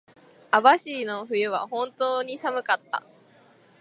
網走の冬は本当に寒かった。